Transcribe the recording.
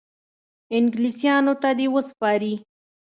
انګلیسیانو ته دي وسپاري.